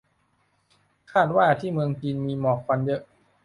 คาดว่าที่เมืองจีนมีหมอกควันเยอะ